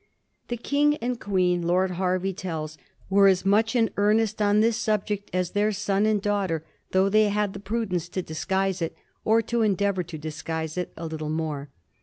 The King and Queen, Lord Hervey tells, were as much in earnest on this sub ject as their son and daughter, though they had the pru dence to disguise it, or to endeavor to disguise it, a little more.